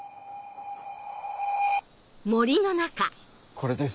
これです。